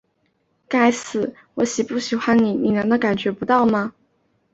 该死，我喜不喜欢你难道你感觉不到吗?